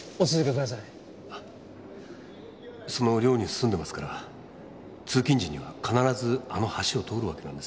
その寮に住んでますから通勤時には必ずあの橋を通るわけなんです。